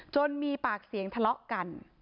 มีปากเสียงทะเลาะกัน